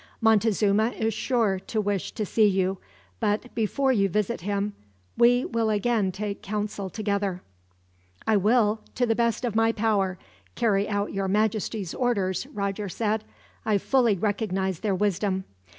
"Montezuma is sure to wish to see you, but before you visit him, we will again take counsel together." "I will, to the best of my power, carry out your Majesty's orders," Roger said. "I fully recognize their wisdom.